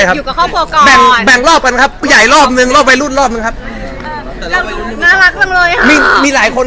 ตอนนี้ยังไม่ชวนเขาไปไหน